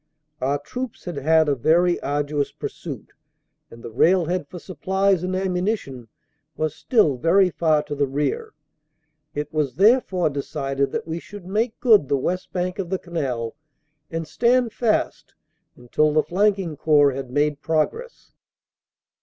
"Our troops had had a very arduous pursuit, and the rail head for supplies and ammunition was still very far to the rear. It was therefore decided that we should make good the west bank of the Canal and stand fast until the flanking Corps had made progress.